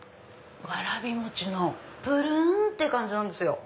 わらび餅のぷるんって感じなんですよ。